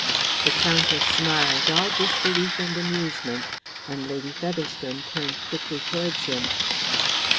The Countess smiled, all disbelief and amusement, and Lady Featherstone turned quickly towards him.